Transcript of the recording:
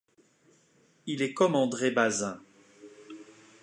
Il est comme André Bazin.